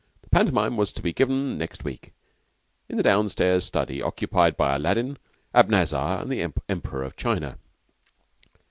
The pantomime was to be given next week, in the down stairs study occupied by Aladdin, Abanazar, and the Emperor of China.